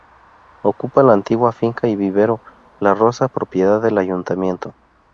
Ocupa la antigua finca y vivero "La Rosa", propiedad del ayuntamiento.